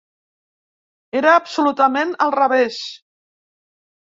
Era absolutament al revés.